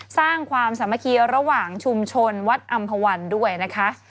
สร้างความสามัคคีระหว่างชุมชนวัดอำภาวันด้วยนะคะ